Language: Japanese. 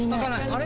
あれ？